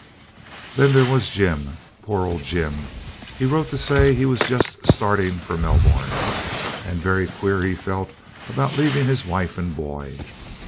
Then there was Jim, poor old Jim! He wrote to say he was just starting for Melbourne, and very queer he felt about leaving his wife and boy.